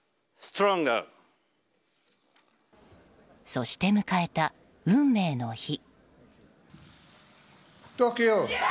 そして迎えた運命の日。